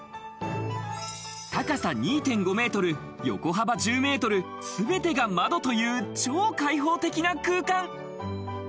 高さ２．５メートル、横幅１０メートル、すべてが窓という超開放的な空間。